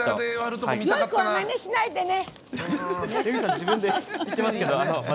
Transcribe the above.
よい子はまねしないでね！